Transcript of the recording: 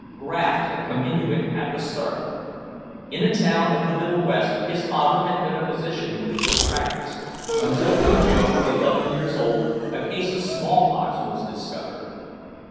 "Graft" had come into it at the start. In a town of the Middle West his father had been a physician with a good practice, until when Joe was eleven years old a case of smallpox was discovered.